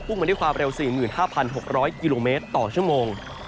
มาด้วยความเร็ว๔๕๖๐๐กิโลเมตรต่อชั่วโมง